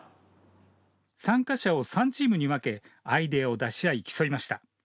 参加者を３チームに分けアイデアを出し合い、競いました。